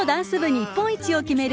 日本一を決める